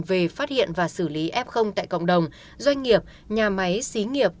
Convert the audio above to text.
về phát hiện và xử lý f tại cộng đồng doanh nghiệp nhà máy xí nghiệp